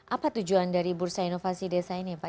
apa tujuan dari bursa inovasi desa ini pak